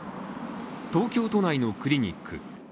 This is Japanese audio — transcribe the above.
東京都内のクリニック。